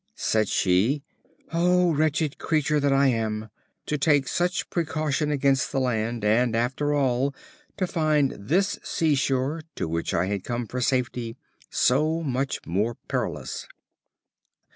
Said she: "O wretched creature that I am! to take such precaution against the land, and, after all, to find this seashore, to which I had come for safety, so much more perilous."